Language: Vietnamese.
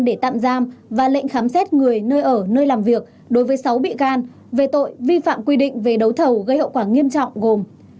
để tạm giam và lệnh khám xét người nơi ở nơi làm việc đối với sáu bị can về tội vi phạm quy định về đấu thầu gây hậu quả nghiêm trọng gồm